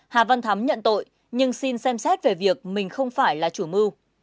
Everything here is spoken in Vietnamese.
hà văn thắm nhận tội nhưng xin xem xét về việc mình không phải là chủ mưu